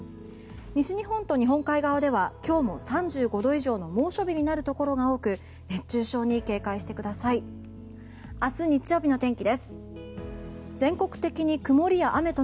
西日本と日本海側では今日も３５度以上の猛暑日になるところが多く熱中症に警戒してください。